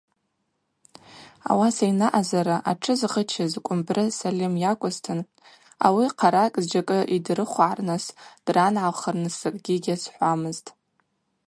Ауаса йнаъазара, атшы згъычыз Кӏвымбры Сальым йакӏвызтын, ауи хъаракӏ зджьакӏы йдирыхвгӏарныс дрангӏалхырныс закӏгьи гьазхӏвамызтӏ.